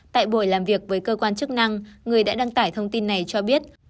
tại buổi làm việc với cơ quan chức năng người đã đăng tải thông tin này cho biết